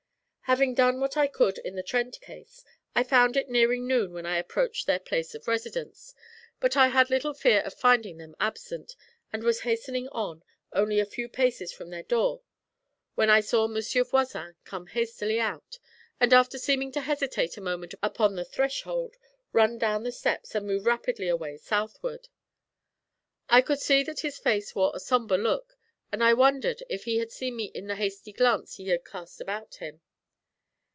Having done what I could in the Trent case, I found it nearing noon when I approached their place of residence, but I had little fear of finding them absent, and was hastening on, only a few paces from their door, when I saw Monsieur Voisin come hastily out, and after seeming to hesitate a moment upon the threshold, run down the steps and move rapidly away southward. I could see that his face wore a sombre look, and I wondered if he had seen me in the hasty glance he had cast about him.